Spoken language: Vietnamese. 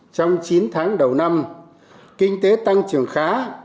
trong chín tháng đầu năm kinh tế tăng trưởng khá